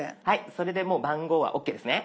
それでもう番号はＯＫですね。